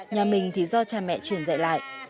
nhà mình thì do cha mẹ truyền dạy lại